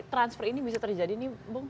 transfer ini bisa terjadi ini bung